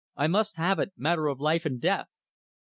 I must have it. Matter of life and death."